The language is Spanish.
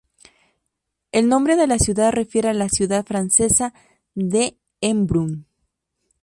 El nombre de la ciudad refiere a la ciudad francesa de Embrun.